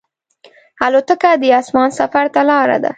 الوتکه د اسمان سفر ته لاره ده.